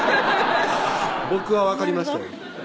僕は分かりましたよ